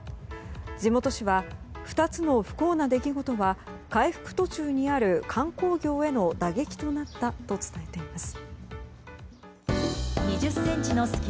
地元紙は２つの不幸な出来事は回復途中にある観光業への打撃となったと伝えています。